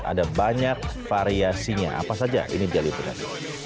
ada banyak variasinya apa saja ini dia liputan